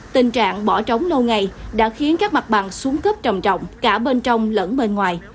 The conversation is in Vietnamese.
tình trạng bỏ trống lâu ngày đã khiến các mặt bằng xuống cấp trầm trọng cả bên trong lẫn bên ngoài